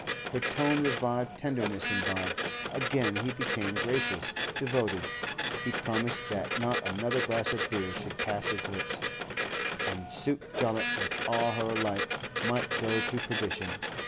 Her tone revived tenderness in Bob; again he became gracious, devoted; he promised that not another glass of beer should pass his lips, and Sake Jollop, with all her like, might go to perdition.